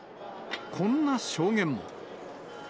こんな証言も。